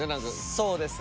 そうですね。